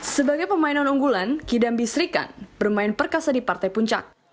sebagai pemainan unggulan kidambi serikan bermain perkasa di partai puncak